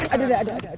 aduh aduh aduh